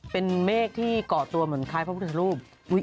เป็นเมฆที่เกาะตัวเหมือนคล้ายพระพุทธรูป